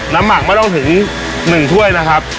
หมักไม่ต้องถึง๑ถ้วยนะครับ